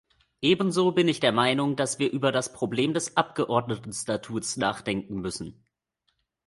Ebenso bin ich der Meinung, dass wir über das Problem des Abgeordnetenstatuts nachdenken müssen.